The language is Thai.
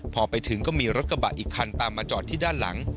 พอไปถึงก็มีรถกระบะอีกคันตามมาจอดที่ด้านหลัง